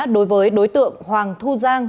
đối với đối tượng hoàng thu giang